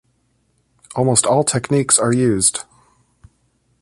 Almost all techniques are used.